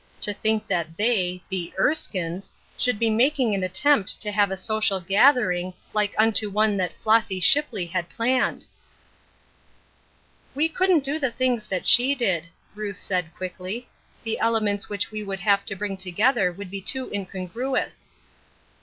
To think that they — the Urskines — should be making an attempt to have a social gathering 44 Ruth UrsJcine^s Crosses, like unto one that Flossy Shipley had planned !" We couldn't do the things that she did," Ruth said, quickly. "The elements which we would have to bring together would be too in congruous."